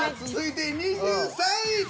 続いて２３位。